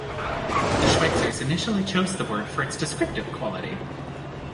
The Schweitzers initially chose the word for its descriptive quality.